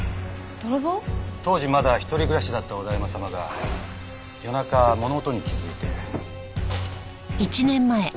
当時まだ一人暮らしだった小田山様が夜中物音に気づいて。